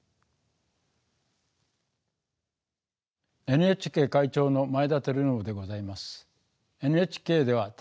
ＮＨＫ会長の前田晃伸でございます。